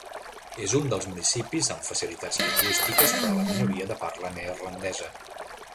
És un dels municipis amb facilitats lingüístiques per a la minoria de parla neerlandesa.